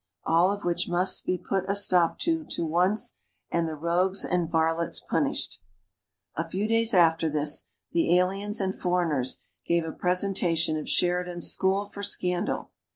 All of which must be put a stop to to once and the Rogues and Varlots punished." A few days after this, "the Aliens and Foreigners" gave a presentation of Sheridan's "School for Scandal."